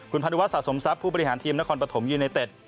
คุณพันวะสะสมทรัพย์ผู้บริหารทีมนครปฐมยูไนเต็ด